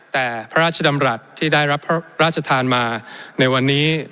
แต่พระราชดำรัฐที่ได้รับพระราชทานมาในวันนี้